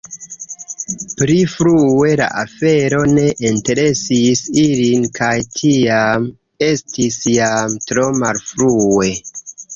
Pli frue la afero ne interesis ilin kaj tiam estis jam tro malfrue.”